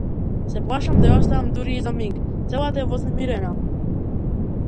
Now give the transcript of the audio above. Се плашам да ја оставам дури и за миг, целата е вознемирена.